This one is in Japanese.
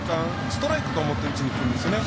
ストライクと思って打ちにくるんですね。